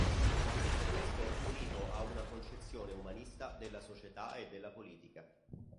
Tutto questo unito a una concezione umanista della società e della politica.